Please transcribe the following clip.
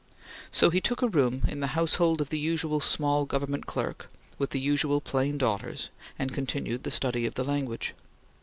So he took a room in the household of the usual small government clerk with the usual plain daughters, and continued the study of the language.